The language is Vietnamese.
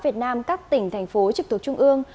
để tìm hiểu về các tỉnh thành phố trực thuộc trung ương